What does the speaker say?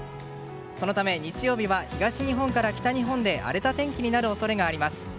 そのため日曜日は東日本から北日本で荒れた天気になる恐れがあります。